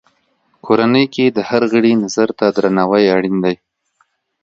کورنۍ کې د هر غړي نظر ته درناوی اړین دی.